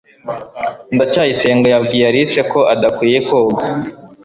ndacyayisenga yabwiye alice ko adakwiye koga